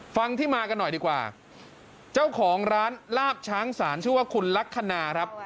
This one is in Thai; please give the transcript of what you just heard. ฟังที่มากันหน่อยดีกว่าเจ้าของร้านลาบช้างศาลชื่อว่าคุณลักษณะครับ